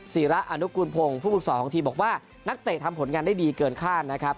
ศิระอนุกูลพงศ์ผู้ฝึกศรของทีมบอกว่านักเตะทำผลงานได้ดีเกินคาดนะครับ